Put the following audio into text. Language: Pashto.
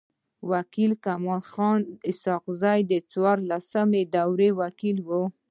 و کيل کمال الدین خان اسحق زی د څوارلسمي دوری وکيل وو.